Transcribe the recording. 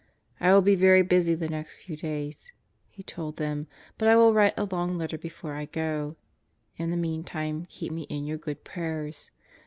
"I will be very busy the next few days," he told them, "but I will write a long letter before I go. In the meantime keep me in your good prayers.